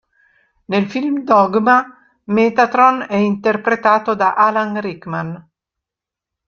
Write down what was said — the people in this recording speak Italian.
Nel film "Dogma" Metatron è interpretato da Alan Rickman.